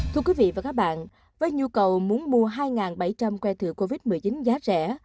thưa quý vị và các bạn với nhu cầu muốn mua hai bảy trăm linh que thửa covid một mươi chín giá rẻ